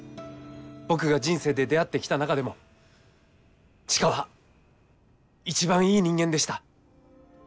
僕が人生で出会ってきた中でも千佳は一番いい人間でした。